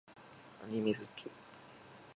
アニメ好き